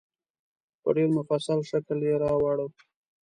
په ډېر مفصل شکل یې راوړه.